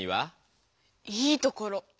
「いいところ」